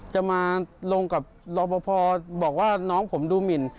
จะมาลงกับรอปภบอกว่าน้องผมดูหมิน